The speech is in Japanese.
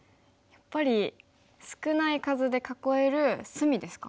やっぱり少ない数で囲える隅ですか？